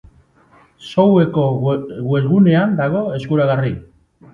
Show-eko webgunean dago eskuragarri.